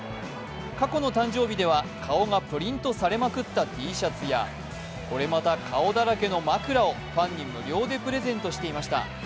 過去の誕生日では顔がプリントされまくったＴシャツや、これまた顔だらけの枕をファンに無料でプレゼントしていました。